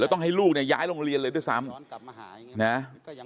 แล้วต้องให้ลูกย้ายโรงเรียนเลยด้วยซ้ำ